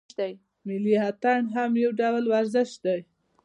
ملي اتڼ هم یو ډول ورزش دی.